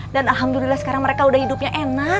dan alhamdulillah sekarang mereka udah hidupnya enak